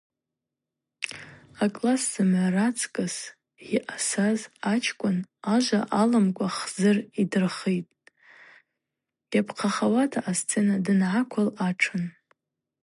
Акласс зымгӏва рацкӏыс йъасаз ачкӏвын Ажва аламкӏва Хзыр йдырхитӏ йапхъахауата асцена дангӏаквыл атшын.